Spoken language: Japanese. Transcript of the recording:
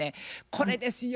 これですよ。